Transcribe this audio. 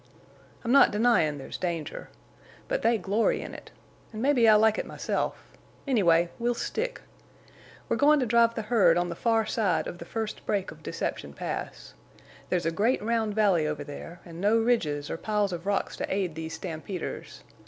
I'm not denyin' there's danger. But they glory in it, an' mebbe I like it myself—anyway, we'll stick. We're goin' to drive the herd on the far side of the first break of Deception Pass. There's a great round valley over there, an' no ridges or piles of rocks to aid these stampeders.